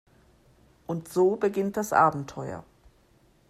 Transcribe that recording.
Und so beginnt das Abenteuer.